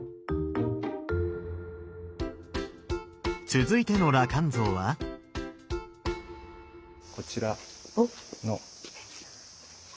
続いての羅漢像は？こちらの。